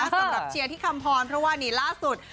สำหรับเชียร์ที่คำพรเพราะว่านี่ล่าสุด